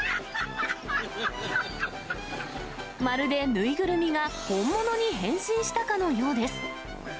まるで縫いぐるみが本物に変身したかのようです。